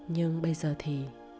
nhưng bây giờ thì